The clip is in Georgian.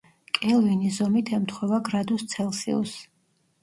კელვინი ზომით ემთხვევა გრადუს ცელსიუსს.